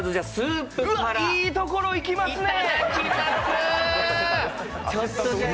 うわ、いいところいきますね！